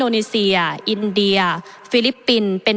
ประเทศอื่นซื้อในราคาประเทศอื่น